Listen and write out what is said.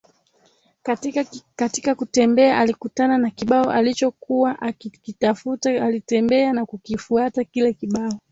Katika kutembea alikutana na kibao alichokua akikitafuta alitembea na kukifuata kile kibao